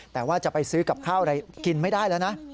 แต่ว่าจะไปซื้อกับข้าวอะไรกินไม่ได้แล้วนะ